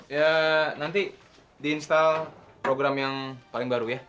ya nanti di install program yang paling baru ya